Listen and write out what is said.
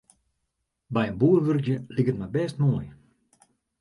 By in boer wurkje liket my bêst moai.